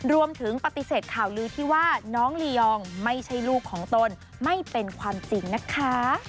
รวมถึงปฏิเสธข่าวลือที่ว่าน้องลียองไม่ใช่ลูกของตนไม่เป็นความจริงนะคะ